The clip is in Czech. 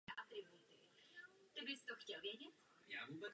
Při kopání se však zem i s dělníky propadla do jeskyně.